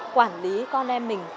quản lý con em mình